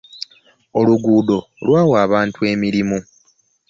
Oluguudo lwawa abantu emirimu